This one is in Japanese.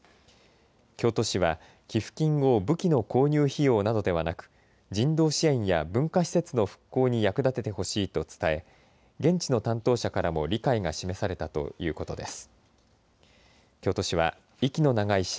京都市は寄付金を武器の購入費用などではなく人道支援や文化施設の復興に役立ててほしいと伝え現地の担当者からも理解が示されたということです。